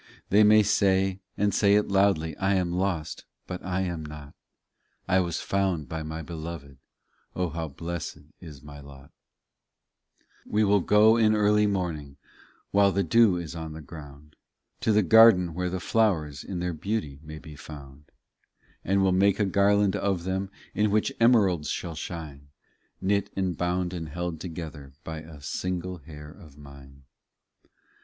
They may say, and say it loudly, I am lost; but I am not; I was found by my Beloved, O how blessed is my lot ! 30 We will go in early morning While the dew is on the ground, To the garden where the flowers In their beauty may be found ; And will make a garland of them In which emeralds shall shine Knit and bound and held together By a single hair of mine.